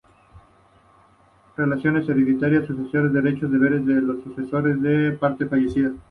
Relaciones hereditarias o sucesorias: derechos y deberes de los sucesores de una persona fallecida.